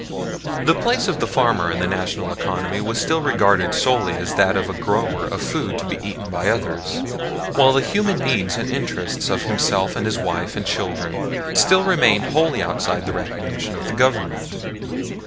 The place of the farmer in the National economy was still regarded solely as that of a grower of food to be eaten by others, while the human needs and interests of himself and his wife and children still remained wholly outside the recognition of the Government.